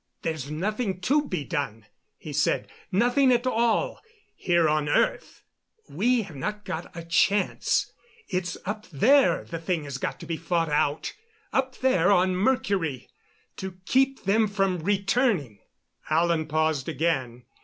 "There's nothing to be done," he said "nothing at all here on earth. We have not got a chance. It's up there the thing has got to be fought out up there on Mercury to keep them from returning." Alan paused again.